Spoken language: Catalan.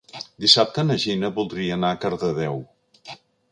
Dissabte na Gina voldria anar a Cardedeu.